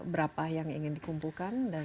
berapa yang ingin dikumpulkan